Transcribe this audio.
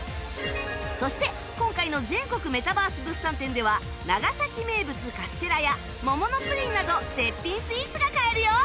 そして今回の全国メタバース物産展では長崎名物カステラやもものプリンなど絶品スイーツが買えるよ！